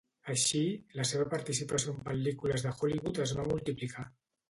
Així, la seva participació en pel·lícules de Hollywood es va multiplicar.